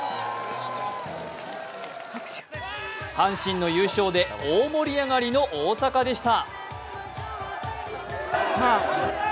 阪神の優勝で大盛り上がりの大阪でした。